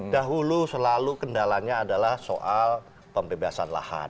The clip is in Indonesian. dahulu selalu kendalanya adalah soal pembebasan lahan